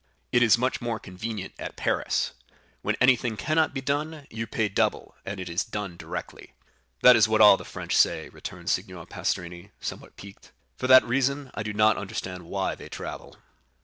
"It is much more convenient at Paris,—when anything cannot be done, you pay double, and it is done directly." "That is what all the French say," returned Signor Pastrini, somewhat piqued; "for that reason, I do not understand why they travel."